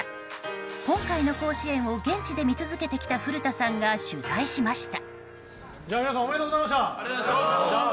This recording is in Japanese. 今回の甲子園を現地で見続けてきた古田さんが取材しました。